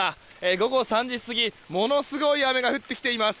午後３時過ぎものすごい雨が降ってきています。